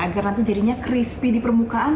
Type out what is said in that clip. agar nanti jadinya crispy di permukaan